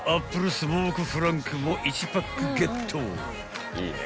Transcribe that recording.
スモークフランクも１パックゲット］